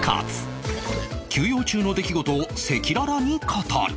休養中の出来事を赤裸々に語る